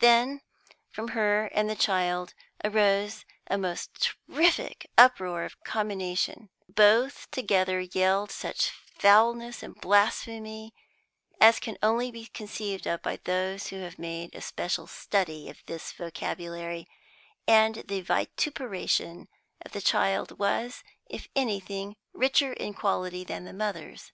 Then from her and the child arose a most terrific uproar of commination; both together yelled such foulness and blasphemy as can only be conceived by those who have made a special study of this vocabulary, and the vituperation of the child was, if anything, richer in quality than the mother's.